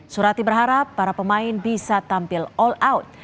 surati berharap para pemain bisa tampil all out